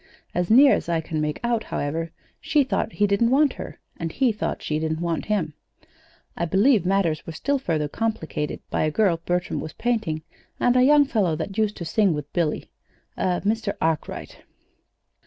As near as I can make out, however, she thought he didn't want her, and he thought she didn't want him. I believe matters were still further complicated by a girl Bertram was painting, and a young fellow that used to sing with Billy a Mr. Arkwright.